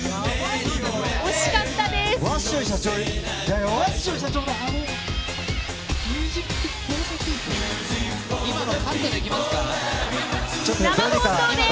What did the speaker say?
惜しかったです。